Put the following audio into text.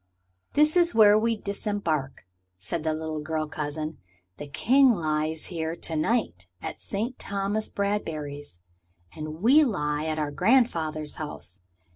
"This is where we disembark," said the little girl cousin. "The King lies here to night at Sir Thomas Bradbury's. And we lie at our grandfather's house.